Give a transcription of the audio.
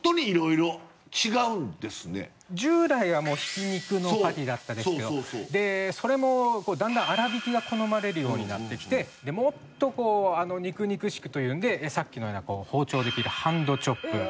従来はもうひき肉のパティだったんですけどそれもだんだん粗びきが好まれるようになってきてもっとこう肉肉しくというんでさっきのような包丁で切るハンドチョップ。